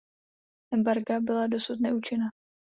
Embarga byla dosud neúčinná.